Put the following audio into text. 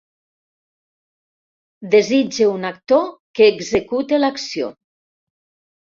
Desitge un actor que execute l'acció.